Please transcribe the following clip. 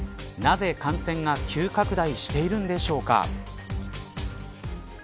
なぜ感染が急拡大しているんでしょうか。